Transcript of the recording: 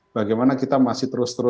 bagaimana kita masih terus